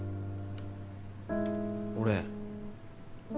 俺。